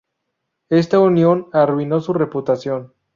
Esta unión arruinó su reputación.